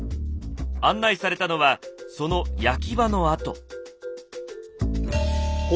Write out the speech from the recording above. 案内されたのはその焼場の跡。